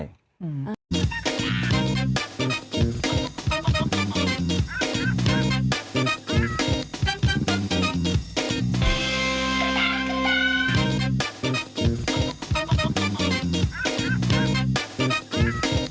โปรดติดตามตอนต่อไป